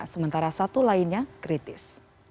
sementara satu lainnya kritis